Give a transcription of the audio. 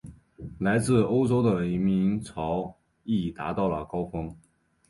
来自欧洲的移民潮亦达到高峰。